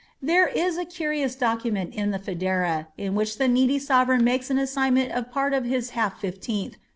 There is a curious ilociinieiit in the Pteden, in wiiich tbe needy late reign makes an assignment of part of his haltgfteenih.